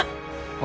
あ？